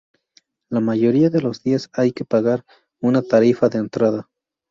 La mayoría de los días hay que pagar una tarifa de entrada.